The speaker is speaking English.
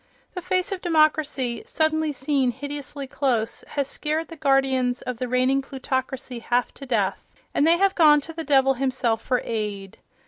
The face of democracy, suddenly seen hideously close, has scared the guardians of the reigning plutocracy half to death, and they have gone to the devil himself for aid.